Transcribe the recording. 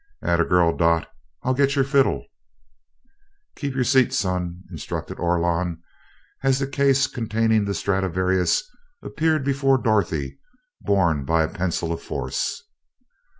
"'At a girl, Dot! I'll get your fiddle." "Keep your seat, son," instructed Orlon, as the case containing the Stradivarius appeared before Dorothy, borne by a pencil of force.